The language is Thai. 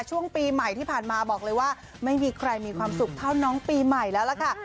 ช่วงปีใหม่ที่ผ่านมาบอกเลยว่าไม่มีใครมีความสุขเท่าน้องปีใหม่แล้วล่ะค่ะ